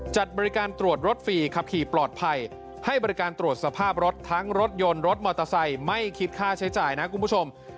จัดบริการตรวจรถฟรีขับขี่ปลอดภัยให้บริการตรวจสภาพรถทั้งรถยนต์รถมอเตอร์ไซค์ไม่คิดค่าใช้จ่ายนะคุณผู้ชม